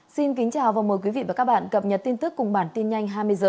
xin kính chào và mời quý vị và các bạn cập nhật tin tức cùng bản tin nhanh hai mươi h